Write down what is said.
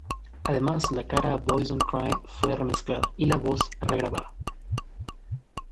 Además, la cara a, "Boys Don't Cry" fue remezclada, y la voz regrabada.